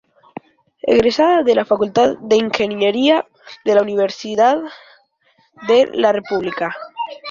Egresada de la Facultad de Ingeniería de la Universidad de la República.